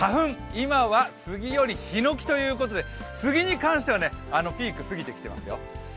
今はスギよりヒノキということでスギに関してはピークを過ぎてきていますよ。